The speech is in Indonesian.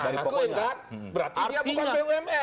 nah aku ingat berarti dia bukan bumn